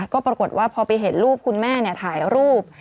ก็ปรากฏว่าพอไปเห็นรูปคุณแม่ถ่ายรูป